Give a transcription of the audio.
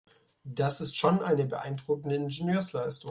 Das ist schon eine beeindruckende Ingenieursleistung.